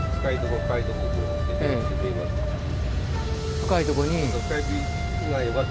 深いとこに？